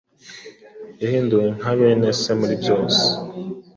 Yahinduwe nka bene se muri byose.